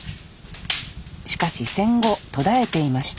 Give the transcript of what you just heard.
しかし戦後途絶えていました